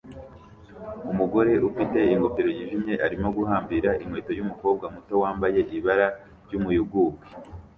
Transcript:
Umugore ufite ingofero yijimye arimo guhambira inkweto yumukobwa muto wambaye ibara ry'umuyugubwe